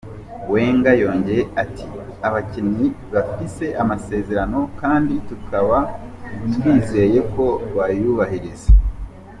Wenger yongeye ati: "Abakinyi bafise amasezerano kandi tuba twizeye ko bayubahiriza.